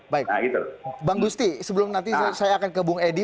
baik bang gusti sebelum nanti saya akan ke bung edi